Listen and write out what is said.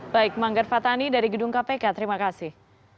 baik manggar fatani dari gedung kpk terima kasih